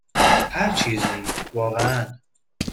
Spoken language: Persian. هر چیزی، واقعا.